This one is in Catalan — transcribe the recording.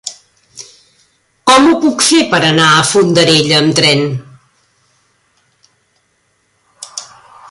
Com ho puc fer per anar a Fondarella amb tren?